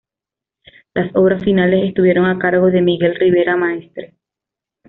Las obras finales estuvieron a cargo de Miguel Rivera Maestre.